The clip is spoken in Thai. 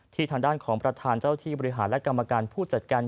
ทางด้านของประธานเจ้าที่บริหารและกรรมการผู้จัดการ